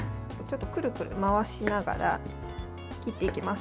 くるくる回しながら切っていきます。